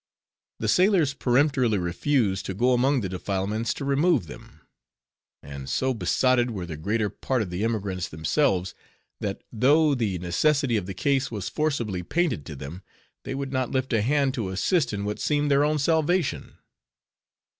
The sailors peremptorily refused to go among the defilements to remove them; and so besotted were the greater part of the emigrants themselves, that though the necessity of the case was forcibly painted to them, they would not lift a hand to assist in what seemed their own salvation.